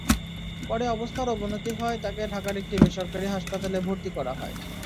পরে অবস্থার অবনতি হওয়ায় তাঁকে ঢাকার একটি বেসরকারি হাসপাতালে ভর্তি করা হয়।